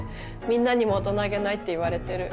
みんなにも大人げないって言われてる。